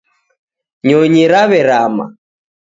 Nyonyi raw'erama.